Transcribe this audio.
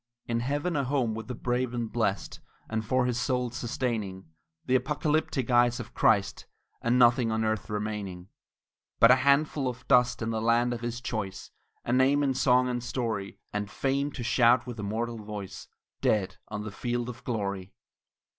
In Heaven a home with the brave and blessed, And for his soul's sustaining The apocalyptic eyes of Christ And nothing on earth remaining, But a handful of dust in the land of his choice, A name in song and story And fame to shout with immortal voice Dead on the field of Glory!